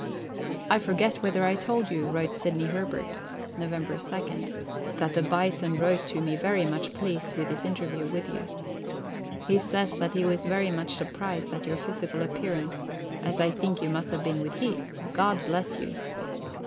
"I forget whether I told you," wrote Sidney Herbert (Nov. 2), "that the Bison wrote to me very much pleased with his interview with you. He says that he was very much surprised at your physical appearance, as I think you must have been with his. God bless you!"